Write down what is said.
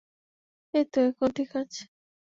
এইতো, এখন ঠিক আছে।